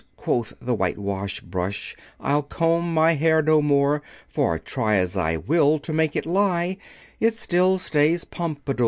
quoth the Whitewash Brush, "I'll comb my hair no more; For try as I will to make it lie, It still stays pompadour."